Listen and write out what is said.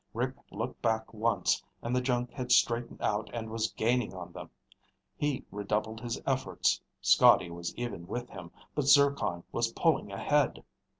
Rick looked back once and the junk had straightened out and was gaining on them. He redoubled his efforts. Scotty was even with him, but Zircon was pulling ahead.